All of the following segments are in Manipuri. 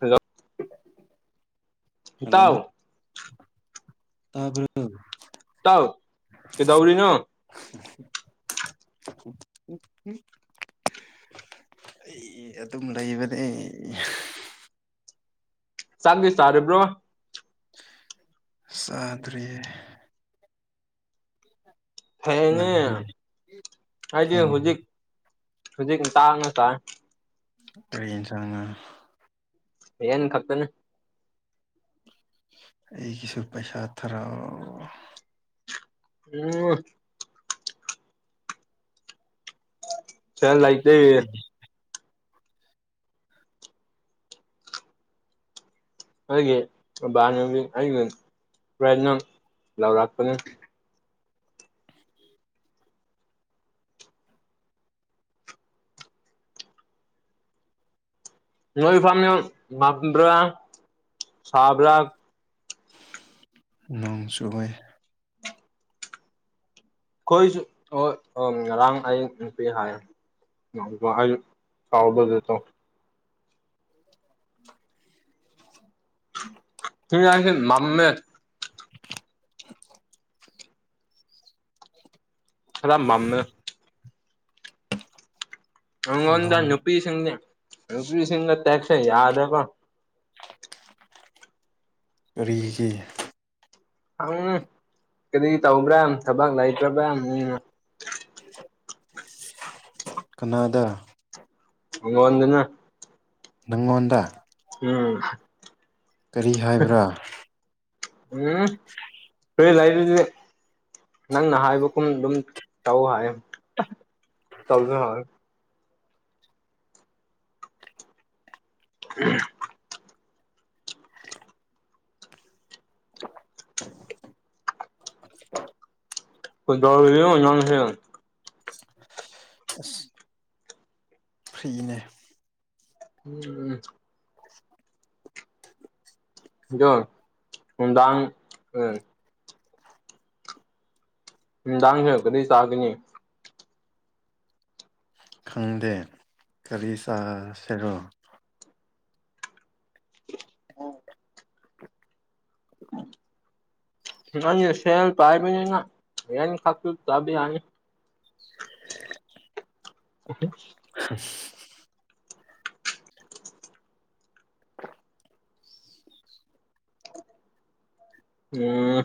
ꯍꯜꯂꯣ ꯍꯜꯂꯣ ꯏꯇꯥꯎ ꯇꯥꯕ꯭ꯔꯣ ꯢꯇꯥꯎ ꯀꯩꯗꯧꯔꯤꯅꯣ [unintelligible] ꯑꯩ ꯑꯗꯨꯝ ꯂꯩꯕꯅꯦ ꯆꯥꯛꯇꯤ ꯆꯔꯕ꯭ꯔꯣ ꯆꯥꯗ꯭꯭ꯔꯤꯌꯦ ꯐꯩꯑꯦꯅꯦ ꯅꯪꯗꯤ ꯑꯩꯗꯤ ꯊꯦꯡꯉꯦ ꯍꯧꯖꯤꯛ ꯍꯧꯖꯤꯛ ꯇꯥꯡꯅ ꯆꯥꯏ ꯇꯥ [unintelligible] ꯉꯥ ꯌꯦꯅꯤ ꯈꯛꯇꯅꯦ ꯑꯩꯒꯤꯁꯨ ꯄꯩꯁꯥ ꯊꯔꯛꯑꯣ ꯎꯝ ꯁꯦꯜ ꯂꯩꯇꯦ ꯑꯩꯒꯤ ꯑꯩꯒꯤ ꯃꯕꯥꯅꯃꯤ ꯑꯩꯩꯅ ꯐ꯭ꯔꯦꯅ ꯂꯥꯎꯔꯥꯛꯄꯅꯤ ꯅꯣꯏ ꯏ ꯐꯥꯝ ꯌꯥꯝ ꯃꯝꯕ꯭ꯔꯥ ꯁꯕ꯭ꯔꯥ ꯅꯣꯡ ꯆꯨꯋꯦ ꯑꯩꯈꯣꯏꯁꯨ ꯑꯣ ꯉꯔꯥꯡ ꯑꯩ ꯅꯨꯄꯤ ꯍꯥꯏ ꯑꯗꯨꯒ ꯑꯩ ꯆꯥꯎꯥꯕꯗꯤ ꯇꯧ [unintelligible] ꯊ [unintelligible] ꯍꯥꯏꯁ ꯃꯝꯃꯦꯠ ꯈꯔ ꯃꯝꯃꯦ ꯑꯩꯪꯉꯣꯟꯗ ꯅꯣꯡ ꯅꯨꯄꯤꯁꯤꯡꯗꯤ ꯅꯨꯄꯤꯁꯤꯡꯗ ꯇꯦꯛꯁ ꯌꯥꯗꯦꯕ ꯀꯔꯤꯒꯤ ꯎꯪ ꯀꯔꯤ ꯇꯧꯕ꯭ꯔꯥ ꯊꯕꯛ ꯂꯩꯇ꯭ꯔꯕ꯭ꯔꯥ ꯎꯝ ꯀꯅꯥꯗ ꯑꯩꯉꯣꯟꯗꯅꯦ ꯅꯪꯉꯣꯟꯗ ꯎꯝ ꯀꯔꯤ ꯍꯥꯏꯕ꯭ꯔꯥ? [unintelligible] ꯅꯪꯅ ꯍꯥꯏꯕꯒꯨꯝ ꯑꯗꯨꯝ ꯇꯧ ꯍꯥꯏꯌꯦ ꯇꯧꯁꯨ ꯇꯧꯌꯦ꯫ [unintelligible] [unintelligible] ꯀꯩꯗꯧꯔꯤꯅꯣ ꯅꯪꯁꯦ? ꯑꯁ ꯐ꯭ꯔꯤꯅꯦ꯫ [unintelligible] [unintelligible] ꯑꯗꯣ ꯅꯨꯝꯗꯥꯡ ꯅꯨꯡꯗꯥꯡꯁꯤ ꯀꯔꯤ ꯆꯥꯒꯅꯤ? ꯈꯪꯗꯦ꯫ ꯀꯔꯤ ꯆꯁꯦꯔꯣ? ꯅꯪꯅ ꯁꯦꯜ ꯄꯥꯏꯕꯅꯤꯅ ꯅꯪ ꯈꯛꯇ ꯆꯥꯕꯥ ꯌꯥꯅꯤ꯫ [unintelligible] [unintelligible] [unintelligible] ꯎꯝ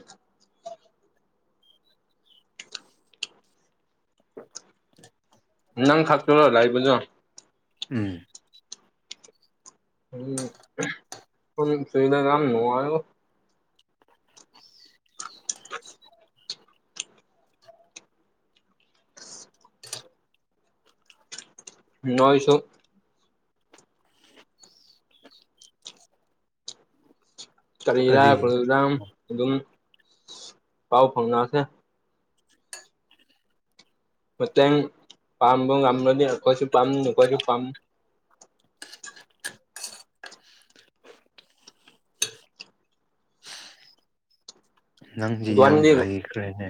[unintelligible] ꯅꯪ ꯈꯛꯇꯔꯣ ꯂꯩꯕꯗꯨ? ꯎꯝ ꯎꯝ ꯁꯤꯗ ꯌꯥꯝ ꯅꯨꯡꯉꯥꯏꯔꯦꯕꯣ ꯅꯣꯏꯁꯨ ꯀꯔꯤꯔ ꯀꯔꯤ [unintelligible] ꯑꯗꯨꯝ ꯄꯥꯎ ꯐꯥꯎꯅꯁꯦ ꯃꯇꯦꯡ ꯄꯥꯡꯕ ꯉꯝꯂꯗꯤ ꯑꯩꯈꯣꯏꯁꯨ ꯄꯥꯝꯃꯤ ꯅꯈꯣꯏꯁꯨ ꯄꯥꯝꯃꯤ ꯅꯪꯗꯤ ꯌꯥꯝ ꯗꯣꯟꯗꯤ ꯍꯩꯈ꯭ꯔꯦꯅꯦ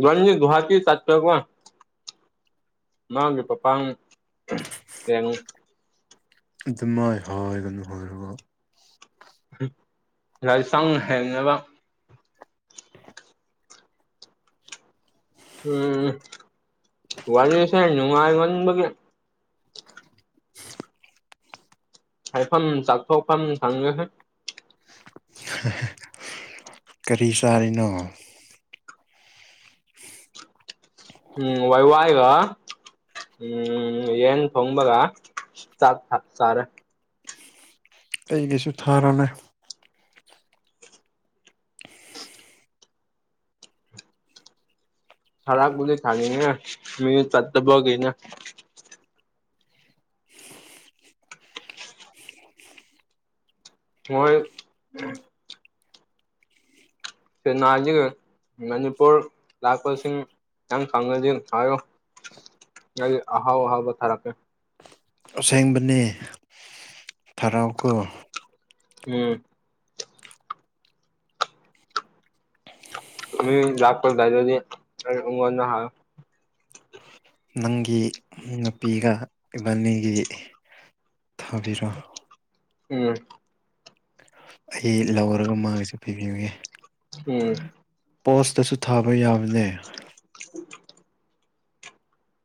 ꯅꯣꯏꯅꯤ ꯒꯨꯋꯥꯍꯥꯇꯤ ꯆꯠꯄꯀꯣ ꯃꯥꯒꯤ ꯄꯄꯥꯡ ꯌꯦꯡꯉꯨ ꯑꯗꯨꯃꯥꯏ ꯍꯥꯏꯒꯅꯨ ꯍꯥꯏꯔꯒ ꯒꯥꯔꯤ ꯆꯥꯡ ꯍꯦꯟꯅꯕ ꯎꯝ ꯋꯥꯔꯤꯁꯦ ꯅꯨꯡꯉꯥꯏ ꯃꯟꯕꯒꯤ ꯍꯥꯏꯐꯝ ꯆꯥꯎꯊꯣꯛꯐꯝ ꯈꯪꯉꯦꯍꯦ ꯀꯔꯤ ꯆꯥꯔꯤꯅꯣ ꯎꯝ ꯋꯥꯏ ꯋꯥꯏꯒ ꯎꯝ ꯌꯦꯟ ꯊꯣꯡꯕꯒ ꯆꯥꯛꯀꯥ ꯆꯥꯔꯦ ꯑꯩꯒꯤꯁꯨ ꯊꯥꯔꯣꯅꯦ ꯊꯔꯛꯄꯒꯤ ꯊꯥꯅꯤꯡꯉꯦ ꯃꯤ ꯆꯠꯇꯕꯒꯤꯅꯦ ꯃꯣꯏ ꯆꯦꯅꯥꯏꯗꯒꯤ ꯃꯅꯤꯄꯨꯔ ꯂꯥꯛꯄꯁꯤꯡ ꯅꯪ ꯈꯪꯉꯗꯤ ꯍꯥꯏꯌꯣ ꯑꯩ ꯑꯍꯥꯎ ꯑꯍꯥꯎꯕ ꯊꯔꯛꯀꯦ ꯑꯁꯦꯡꯕꯅꯦ ꯊꯥꯔꯛꯎꯀꯣ ꯎꯝ ꯃꯤ ꯂꯥꯛꯄ ꯂꯩꯔꯗꯤ ꯑꯩ ꯑꯩꯉꯣꯟꯗ ꯍꯥꯏꯌꯣ [unintelligible] ꯅꯪꯒꯤ ꯅꯨꯄꯤꯒ ꯏꯕꯥꯅꯤꯒꯤ ꯊꯥꯕꯤꯔꯣ ꯎꯝ ꯑꯩ ꯂꯧꯔꯒ ꯃꯥꯒꯤꯁꯨ ꯄꯤꯕꯤꯌꯨꯌꯦ [unintelligible] ꯄꯣꯁꯇꯥꯁꯨ ꯊꯥꯕ ꯌꯥꯕꯅꯦ [unintelligible]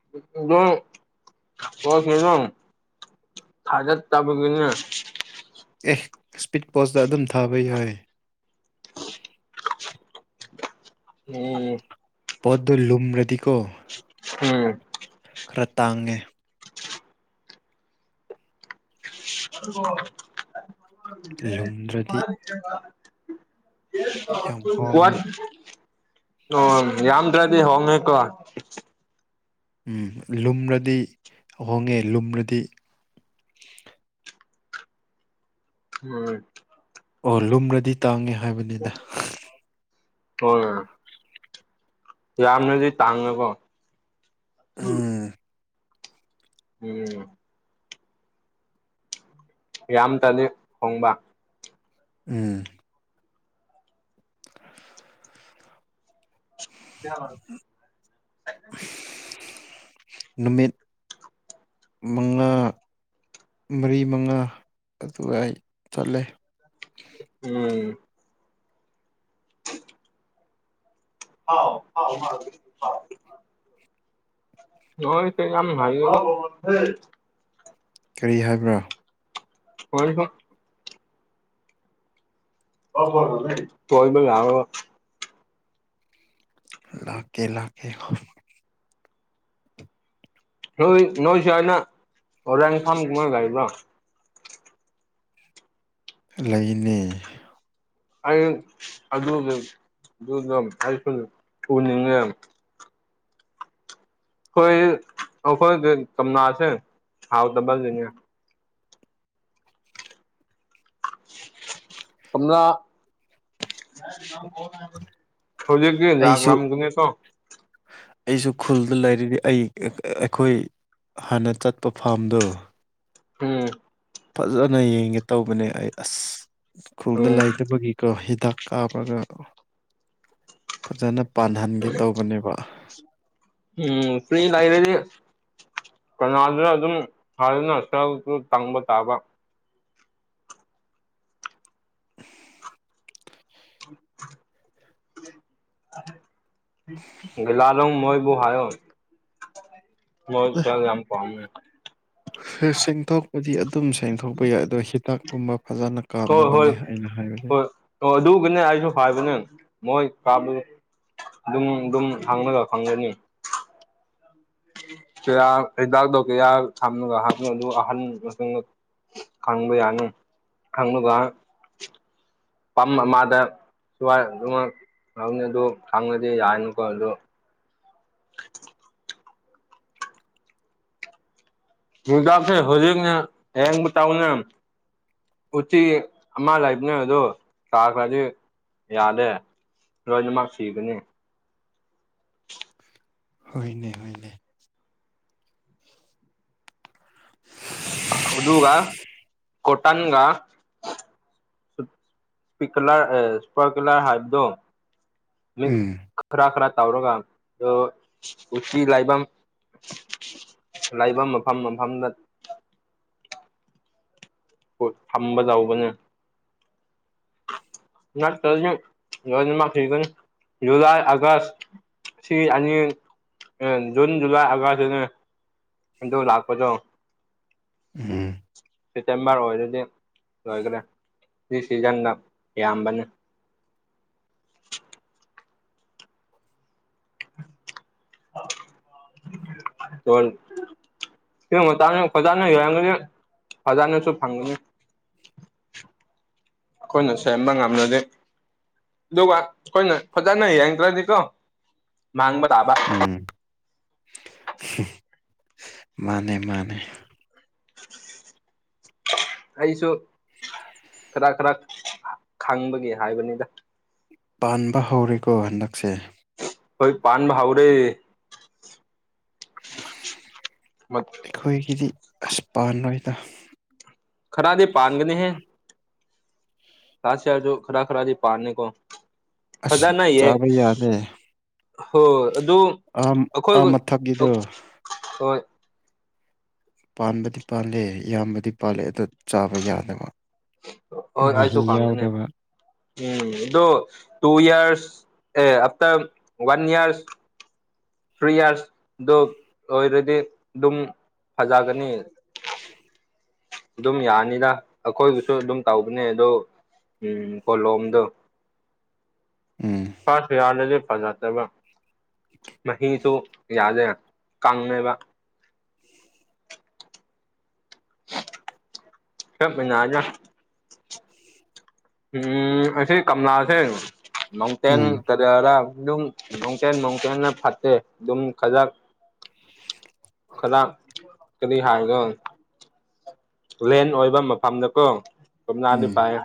[unintelligible] ꯊꯥꯔꯛ ꯇꯥꯕꯒꯤꯅꯦ ꯑꯦ ꯏꯁꯄꯤꯠ ꯄꯣꯁꯇꯥ ꯑꯗꯨꯝ ꯊꯥꯕ ꯌꯥꯏ ꯎꯝ ꯄꯣꯠꯇꯣ ꯂꯨꯝꯔꯥꯗꯤꯀꯣ ꯎꯝ ꯈꯔ ꯇꯥꯡꯉꯦ [unintelligible] ꯂꯨꯝꯗ꯭ꯔꯗꯤ ꯌꯥꯝ [unintelligible] ꯋꯥꯟ ꯍꯣꯡꯉꯦ ꯑꯣ ꯌꯥꯝꯗ꯭ꯔꯥꯗꯤ ꯍꯣꯡꯉꯦꯀꯣ ꯎꯝ ꯂꯨꯝꯔꯥꯗꯤ ꯍꯣꯡꯉꯦ ꯂꯨꯝꯔꯥꯗꯤ ꯎꯝ ꯑꯣ ꯂꯨꯝꯔꯥꯗꯤ ꯇꯥꯡꯉꯦ ꯍꯥꯏꯕꯅꯤꯗ ꯍꯣꯏ ꯌꯥꯝꯅꯗꯤ ꯇꯥꯡꯉꯀꯣ ꯎꯝ ꯎꯝ ꯌꯥꯝ ꯇꯥꯗꯤ ꯍꯣꯡꯕ ꯎꯝ [inaudible] [unintelligible] ꯅꯨꯃꯤꯠ ꯃꯉꯥ ꯃꯔꯤ ꯃꯉꯥ ꯑꯗꯨꯋꯥꯏ ꯆꯠꯂꯦ ꯎꯝ ꯍꯜꯂꯥꯎ [unintelligible] [unintelligible] ꯀꯔꯤ ꯍꯥꯏꯕ꯭ꯔꯥ [unintelligible] [unintelligible] ꯀꯣꯏꯕ ꯌꯥꯔꯣꯏ ꯂꯥꯛꯀꯦ ꯂꯥꯛꯀꯦ ꯅꯣꯏ ꯅꯣꯏ ꯁꯥꯏꯅ ꯍꯣꯔꯦꯟ ꯐꯥꯝ [unintelligible] ꯂꯩꯅꯦ ꯑꯩ ꯑꯗꯨꯒꯤ [unintelligible] ꯑꯩꯁꯨ ꯎꯅꯤꯡꯉꯦ ꯑꯩꯈꯣꯏ ꯑꯩꯈꯣꯏꯒꯤ ꯀꯝꯅꯥꯥꯁꯦ ꯍꯥꯎꯇꯕꯒꯤꯅꯦ ꯊꯝꯅꯥ ꯍꯧꯖꯤꯛꯒꯤ ꯑꯩꯁꯨ ꯂꯥꯛꯂꯝꯒꯅꯤ ꯀꯣ ꯑꯩꯁꯨ ꯈꯨꯜꯗ ꯂꯩꯔꯤꯗꯤ ꯑꯩ ꯑꯩꯈꯣꯏ ꯍꯥꯟꯅ ꯆꯠꯄ ꯐꯥꯔꯝꯗꯨ ꯎꯝ ꯐꯖꯅ ꯌꯦꯡꯒꯦ ꯇꯧꯕꯅꯦ ꯑꯩ ꯑꯁ ꯈꯨꯜꯗ ꯎꯝ ꯂꯩꯇꯕꯒꯤ ꯀ꯭ꯔꯣ ꯍꯤꯗꯥꯛ ꯀꯥꯞꯔꯒ ꯐꯖꯅ ꯄꯥꯟꯍꯟꯒꯦ ꯇꯧꯕꯅꯦꯕ ꯍꯌꯦꯡ ꯐ꯭ꯔꯤ ꯂꯩꯔꯥꯗꯤ [unintelligible] ꯇꯪꯕ ꯇꯥꯕ [inaudible] [unintelligible] ꯃꯣꯏꯕꯨ ꯍꯥꯏ [unintelligible] ꯃꯣꯏ ꯁꯦꯜ ꯌꯥꯝ ꯄꯥꯝ [unintelligible] [unintelligible] ꯁꯤꯡꯊꯣꯛꯄꯗꯤ ꯑꯗꯨꯝ ꯁꯦꯡꯊꯣꯛꯄ ꯌꯥꯏ ꯑꯗꯣ ꯍꯤꯗꯥꯛꯀꯨꯝꯕ ꯐꯖꯅ ꯍꯣꯏ ꯍꯣꯏ ꯀꯞꯅꯕꯅꯦ ꯑꯩꯅ ꯍꯥꯏꯕꯗꯤ ꯍꯣꯏ ꯑꯣ ꯑꯗꯨꯒꯅꯦ ꯑꯩꯁꯨ ꯍꯥꯏꯕꯅꯦ ꯃꯣꯏ ꯀꯥ [unintelligible] ꯗꯨꯝ ꯗꯨꯝ ꯍꯪꯉꯒ ꯈꯪꯒꯅꯤ ꯀꯌꯥꯝ ꯍꯤꯗꯥꯛ ꯇꯣ ꯀꯦꯌꯥ ꯊꯝꯒ [unintelligible] ꯈꯪꯕ ꯌꯥꯅꯤ ꯈꯪꯉꯥꯒ ꯄꯝ ꯑꯃꯗ ꯁꯨꯋꯥꯏ ꯑꯗꯨꯃꯛ [unintelligible] ꯈꯪꯉꯗꯤ ꯌꯥꯔꯅꯤꯀꯣꯗꯨ [unintelligible] ꯍꯤꯡꯇꯥꯛꯁꯦ ꯍꯧꯖꯤꯛꯅ ꯌꯦꯡꯕ ꯇꯥꯎꯅꯦ ꯎꯆꯤ ꯑꯃ ꯂꯩꯕꯅꯦ ꯑꯗꯨ ꯇꯥꯈ꯭ꯔꯗꯤ ꯌꯥꯗꯦ ꯂꯣꯏꯅꯃꯛ ꯁꯤꯒꯅꯤ ꯍꯣꯏꯅꯦ ꯍꯣꯏꯅꯦ [unintelligible] ꯎꯗꯨꯒ ꯀꯣꯇꯟꯒ ꯁ꯭ꯄꯤꯀꯂꯔ ꯑ ꯁ꯭ꯄꯥꯀꯂꯔ ꯍꯥꯏꯕꯗꯣ ꯃꯤꯛꯁ ꯎꯝ ꯈꯔ ꯈꯔ ꯇꯧꯔꯒ ꯗꯣ ꯎꯆꯤ ꯂꯥꯏꯕꯝ ꯂꯩꯕ ꯃꯐꯝ ꯃꯐꯝꯗ [unintelligible] ꯊꯝꯕ ꯗꯧꯕꯅꯦ [unintelligible] ꯖꯨꯨꯂꯥꯏ ꯑꯥꯒꯁ ꯁꯤ ꯑꯅꯤ ꯑ ꯖꯨꯟ ꯖꯨꯂꯥꯏ ꯑꯥꯒꯁꯅꯦ ꯑꯗꯨ ꯂꯥꯛꯄꯗꯣ ꯎꯝ ꯁꯦꯞꯇꯦꯝꯕꯔ ꯑꯣꯏꯔꯗꯤ ꯂꯣꯏꯈꯔꯦ ꯁꯤ ꯁꯤꯖꯟꯗ ꯌꯥꯝꯕꯅꯤ [unintelligible] [unintelligible] ꯐꯖꯅꯁꯨ ꯐꯪꯅꯤ ꯑꯈꯣꯏꯅ ꯁꯦꯝꯕ ꯉꯝꯔꯗꯤ ꯑꯗꯨꯒ ꯈꯣꯏꯅ ꯐꯖꯅ ꯌꯦꯡꯗ꯭ꯔꯗꯤꯀꯣ ꯃꯥꯡꯕ ꯇꯥꯕ ꯎꯝ ꯃꯥꯅꯦ ꯃꯥꯅꯦ [unintelligible] ꯑꯩꯁꯨ ꯈꯔ ꯈꯔ ꯈꯪꯕꯒꯤ ꯍꯥꯏꯕꯅꯤꯗ ꯄꯥꯟꯕ ꯍꯧꯔꯦꯀꯣ ꯍꯟꯗꯛꯁꯦ ꯍꯣꯏ ꯄꯥꯟꯕ ꯍꯧꯔꯦ ꯑꯩꯈꯣꯏꯒꯤꯗꯤ ꯑꯁ ꯄꯥꯟꯑꯣꯏꯗ ꯈꯔꯗꯤ ꯄꯥꯡꯒꯅꯤꯍꯦ ꯂꯥꯁ ꯌꯔꯁꯨ ꯈꯔ ꯈꯔꯗꯤ ꯄꯥꯅꯦ ꯀꯣ ꯑꯁ ꯐꯖꯅ ꯌꯦ ꯆꯥꯕ ꯌꯥꯗꯦ ꯍꯣ ꯑꯗꯨ ꯑꯥ ꯑꯩꯈꯣꯏ ꯑꯥ ꯃꯊꯛꯀꯤꯗꯣ [unintelligible] ꯍꯣꯏ ꯄꯥꯟꯕꯗꯤ ꯄꯥꯜꯂꯦ ꯏꯌꯥꯝꯕꯗꯤ ꯄꯥꯜꯂꯦ ꯑꯗꯨꯗ ꯆꯥꯕ ꯌꯥꯗꯕ ꯍꯣꯏ ꯑꯩꯁꯨ ꯃꯍꯤ ꯈꯪꯒꯅꯤ ꯌꯥꯎꯗꯕ ꯎꯝ ꯑꯗꯨ ꯇꯨ ꯌꯔꯁ ꯑꯦ ꯑꯐꯇꯔ ꯋꯥꯟ ꯌꯔꯁ ꯊ꯭ꯔꯤ ꯌꯥꯔꯁꯗꯨ ꯑꯣꯏꯔꯗꯤ ꯑꯗꯨꯝ ꯐꯖꯒꯅꯤ ꯑꯗꯨꯝ ꯌꯥꯅꯤꯗ ꯑꯩꯈꯣꯏꯕꯨꯁꯨ ꯑꯗꯨꯝ ꯇꯧꯕꯅꯦ ꯑꯗꯣ ꯎꯝ ꯀꯣꯂꯣꯝꯗꯣ ꯎꯝ ꯄꯥꯁ ꯍ ꯌꯥꯔꯅꯗꯤ ꯐꯖꯗꯕ ꯃꯍꯤꯁꯨ ꯌꯥꯗꯦ ꯀꯪꯉꯦꯕ ꯀꯦꯕꯤꯅꯥꯖꯦ ꯎ ꯑꯁꯤ ꯀꯪꯂꯂꯥꯁꯦ ꯃꯥꯎꯟꯇꯦꯟ ꯎꯝ ꯀꯔꯤꯌꯥꯔꯥ ꯑꯗꯨꯝ ꯅꯣꯡꯊꯦꯜ ꯅꯣꯡꯊꯦꯟꯅ ꯐꯠꯇꯦ ꯑꯗꯨꯝ ꯈꯖꯛ ꯈꯗꯥ ꯀꯔꯤ ꯍꯥꯏꯒ ꯂꯦꯟ ꯑꯣꯏꯕ ꯃꯐꯝꯗꯀꯣ ꯀꯝꯅꯥꯗꯤ ꯎꯝ ꯄꯣꯏꯌꯦ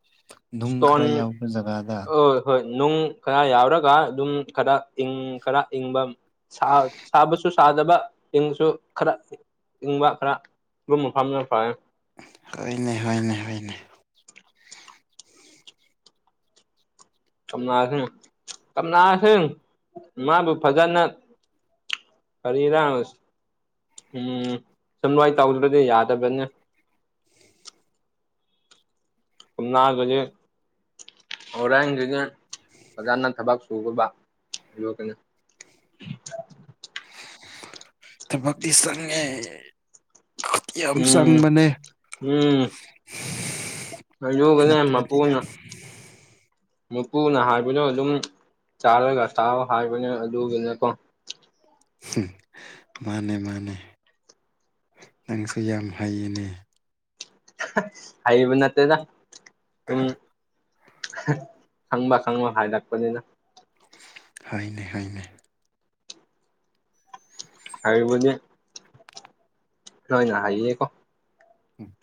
[unintelligible] ꯏꯁꯇꯣꯟ ꯌꯥꯎꯕ ꯖꯒꯥꯗ ꯑ ꯍꯣꯏ ꯅꯨꯡ ꯈꯔ ꯌꯥꯎꯔꯒ ꯑꯗꯨꯝ ꯈꯔ ꯏꯪ ꯈꯔ ꯏꯪꯕ ꯁꯥ ꯁꯥꯕꯁꯨ ꯆꯥꯗꯕ ꯏꯪꯁꯨ ꯈꯔ ꯏꯪꯕ ꯈꯔ ꯂꯨꯝꯕ ꯐꯥꯝꯗꯅ ꯐꯩꯌꯦ ꯍꯣꯏꯅꯦ ꯍꯣꯏꯅꯦ ꯍꯣꯏꯅꯦ ꯝꯅ ꯀꯝꯅꯁꯪ ꯃꯥꯕꯨ ꯐꯖꯅ ꯀꯔꯤꯔꯥ ꯎꯝ ꯁꯝ ꯂꯋꯥꯥꯏ ꯇꯥꯎꯗ꯭ꯔꯗꯤ ꯌꯥꯗꯕꯅꯦ ꯀꯨꯝꯅ ꯖꯦ ꯑꯣꯔꯑꯒꯦ ꯐꯖꯥꯟꯅ ꯊꯕꯛ [unintelligible] ꯑꯗꯨ ꯀꯅ ꯊꯕꯛꯇꯤ ꯆꯪꯉꯦ ꯌꯥꯝ ꯎꯝ ꯆꯪꯕꯅꯦ ꯎꯝ ꯑꯗꯨꯒꯅꯦ ꯅꯠꯇ꯭ꯔꯗꯤ ꯃꯄꯨꯅ ꯃꯄꯨꯅ ꯍꯥꯏꯕꯗꯣ ꯑꯗꯨꯝ ꯆꯥꯔꯒ ꯆꯥꯑꯣ ꯍꯥꯏꯕꯅꯦ ꯑꯗꯨꯒꯤꯅꯦꯀꯣ ꯍꯝ ꯃꯥꯅꯦ ꯃꯥꯅꯦ ꯅꯪꯁꯨ ꯌꯥꯝ ꯍꯩꯌꯦꯅꯦ ꯍꯥꯏꯕ ꯅꯠꯇꯦꯗ ꯁꯨꯝ ꯈꯪꯕ ꯈꯪꯕ ꯍꯥꯏꯔꯛꯄꯅꯤꯅ ꯍꯥꯏꯅꯦ ꯍꯥꯏꯅꯦ ꯍꯥꯏꯕꯗꯤ ꯅꯣꯏꯅ ꯍꯥꯏꯌꯦꯀꯣ ꯎꯝ